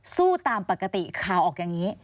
สู้ตามปกติข่าวออกอย่างนี้